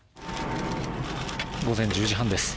午前１０時半です。